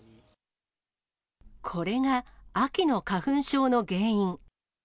これが秋の花粉症の原因。